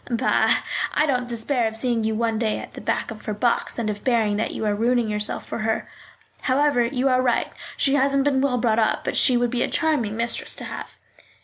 "Bah! I don't despair of seeing you one day at the back of her box, and of hearing that you are ruining yourself for her. However, you are right, she hasn't been well brought up; but she would be a charming mistress to have."